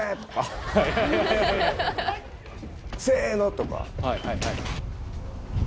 「せの」とか。